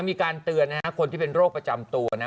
มีการเตือนนะฮะคนที่เป็นโรคประจำตัวนะ